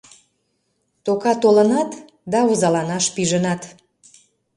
— Тока толынат да озаланаш пижынат.